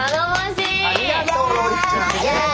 ありがとうロイちゃん。イェイ！